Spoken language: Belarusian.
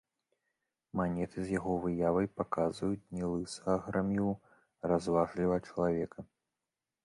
Манеты з яго выявай паказваюць не лысага грамілу, а разважлівага чалавека.